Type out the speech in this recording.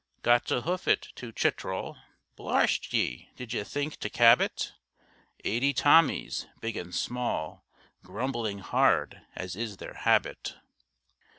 "Got to hoof it to Chitral!" "Blarst ye, did ye think to cab it!" Eighty Tommies, big and small, Grumbling hard as is their habit.